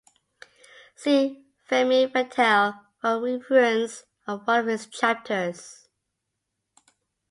See "Femme fatale" for a reference of one of his chapters.